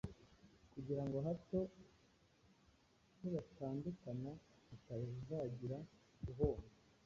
kugira ngo hato nibatandukana hatazagira uhomba